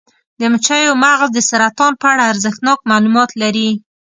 د مچیو مغز د سرطان په اړه ارزښتناک معلومات لري.